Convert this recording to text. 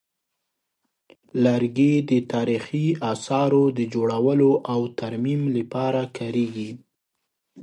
لرګي د تاریخي اثارو د جوړولو او ترمیم لپاره کارېږي.